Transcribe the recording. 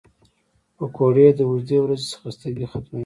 پکورې د اوږدې ورځې خستګي ختموي